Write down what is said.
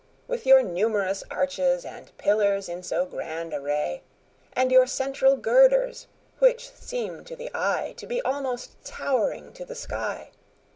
With your numerous arches and pillars in so grand array And your central girders, which seem to the eye To be almost towering to the sky.